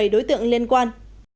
một mươi bảy đối tượng liên quan